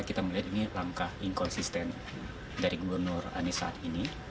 kita melihat ini langkah inkonsisten dari gubernur anies saat ini